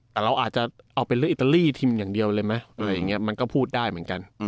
แต่เราอาจจะเอาเป็นเรื่องอิตาลีทีมอย่างเดียวเลยไหมอะไรอย่างนี้มันก็พูดได้เหมือนกัน